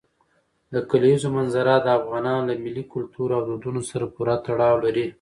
د کلیزو منظره د افغانانو له ملي کلتور او دودونو سره پوره تړاو لري.